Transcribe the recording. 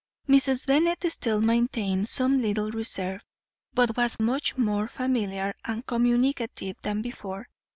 Mrs. Bennet still maintained some little reserve, but was much more familiar and communicative than before.